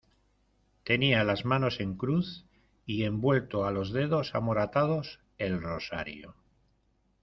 tenía las manos en cruz, y envuelto a los dedos amoratados el rosario.